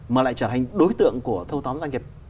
mà lại trở thành đối tượng của thâu tóm doanh nghiệp